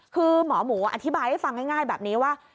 คือหมอหมูอธิบายให้ฟังง่ายแบบนี้ว่า